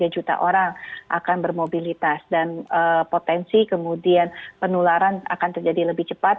satu ratus dua puluh tiga juta orang akan bermobilitas dan potensi kemudian penularan akan terjadi lebih cepat